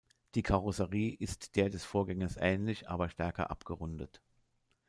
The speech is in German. Die Karosserie ist der des Vorgängers ähnlich, aber stärker abgerundet.